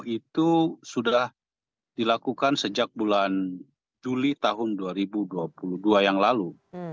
itu sudah dilakukan sejak bulan juli tahun dua ribu dua puluh dua yang lalu